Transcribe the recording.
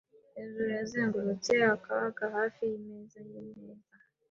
Hejuru yazengurutse akaga hafi yimeza yimeza.